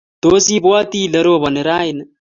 Tos ibwati ile roboni raini?